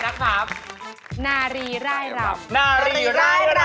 โชว์ที่สุดท้าย